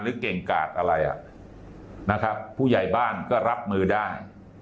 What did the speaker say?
เก่งกาดอะไรนะครับผู้ใหญ่บ้านก็รับมือได้